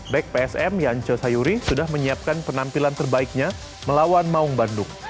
back psm yance sayuri sudah menyiapkan penampilan terbaiknya melawan maung bandung